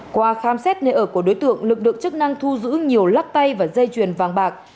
qua khám xét nơi ở của đối tượng lực lượng chức năng thu giữ nhiều lắc tay và dây chuyền vàng bạc